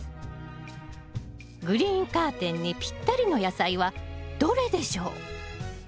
グリーンカーテンにぴったりの野菜はどれでしょう？